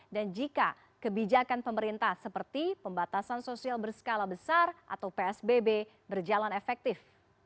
dan jika kebijakan pemerintah seperti pembatasan sosial berskala besar atau psbb berjalan efektif